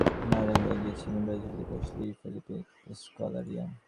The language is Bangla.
তাঁকে পাওয়ার জন্য একসময় মরিয়াই হয়ে গিয়েছিলেন ব্রাজিলের কোচ লুই ফেলিপ্পে স্কলারি।